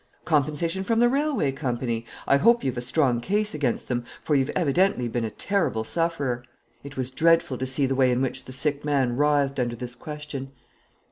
"Compensation from the Railway Company. I hope you've a strong case against them, for you've evidently been a terrible sufferer." It was dreadful to see the way in which the sick man writhed under this question.